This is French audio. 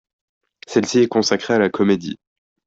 Celle-ci est consacrée à la comédie.